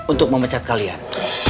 untuk memecat kalian